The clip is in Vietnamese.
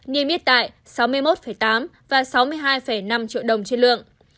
niêm yết tại sáu mươi một tám và sáu mươi hai năm triệu đồng trên lượng